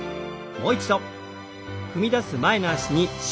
もう一度。